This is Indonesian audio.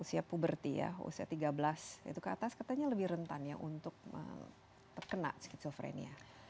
usia puberti ya usia tiga belas itu ke atas katanya lebih rentan ya untuk terkena skizofrenia